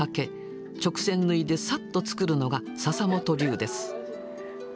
直線縫いでさっと作るのが笹本流です。